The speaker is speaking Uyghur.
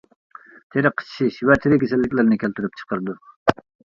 تېرە قىچىشىش ۋە تېرە كېسەللىكلىرىنى كەلتۈرۈپ چىقىرىدۇ.